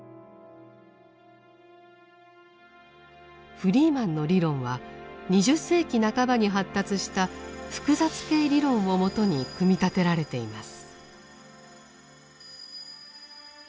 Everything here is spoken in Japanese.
フリーマンの理論は２０世紀半ばに発達した複雑系理論をもとに組み立てられています。